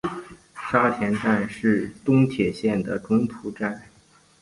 沙田站是东铁线的中途站。